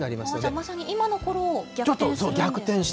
まさに今のころ逆転する。